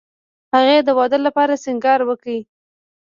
هغې د واده لپاره سینګار وکړ